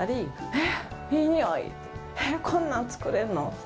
「えっこんなん作れるの？」。